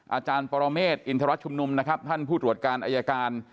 อาจารย์ปรเมฆอินทรชุมนุมนะครับท่านผู้ตรวจการอายการ